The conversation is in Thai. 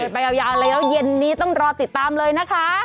ไปยาวแล้วเย็นนี้ต้องรอติดตามเลยนะคะ